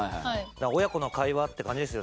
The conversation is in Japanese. だから親子の会話って感じですよね。